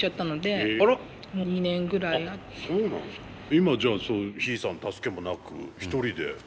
今じゃあヒイさんの助けもなく一人で？